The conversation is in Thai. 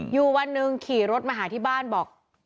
อยู่วันหนึ่งขี่รถมาหาที่บ้านบอก